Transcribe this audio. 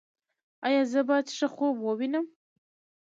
ایا زه باید ښه خوب ووینم؟